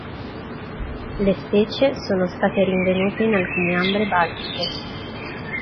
Le specie sono state rinvenute in alcune ambre baltiche.